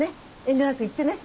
遠慮なく言ってね。